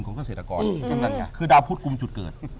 คือดาวพุทธกลุ่มจุดเกิด